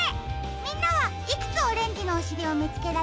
みんなはいくつオレンジのおしりをみつけられたかな？